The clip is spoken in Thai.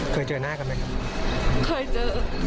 เคยเจอหน้ากันไหมครับเคยเจอ